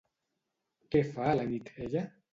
Què fa a la nit, ella?